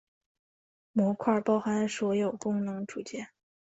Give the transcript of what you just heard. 模块包含所有功能组件。